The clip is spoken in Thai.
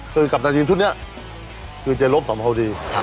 คือกัปตันทีมชุดนี้คือเจรบสัมภาวดี